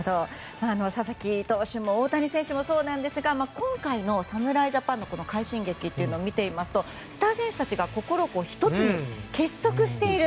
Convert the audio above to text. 佐々木投手も大谷選手もそうですが今回の侍ジャパンのこの快進撃を見ていますとスター選手たちが心を１つに結束している。